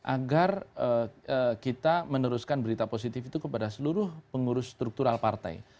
agar kita meneruskan berita positif itu kepada seluruh pengurus struktural partai